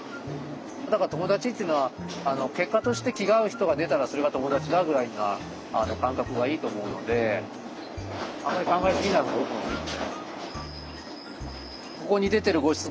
だから友達っていうのは結果として気が合う人が出たらそれが友達だぐらいな感覚がいいと思うのであまり考えすぎないほうがいい。